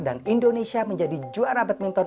dan indonesia menjadi juara badminton